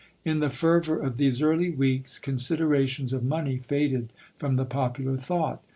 In the fervor of these early weeks, considerations of money faded from the popular thought.